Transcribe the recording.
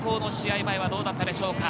前はどうだったでしょうか？